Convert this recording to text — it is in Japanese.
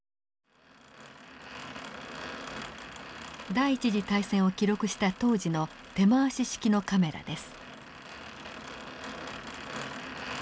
第一次大戦を記録した当時の手回し式のカメラです。